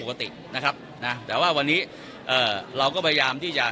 ปกตินะครับนะแต่ว่าวันนี้เอ่อเราก็พยายามที่จะ